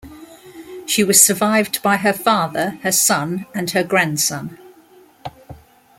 She was survived by her father, her son, and her grandson.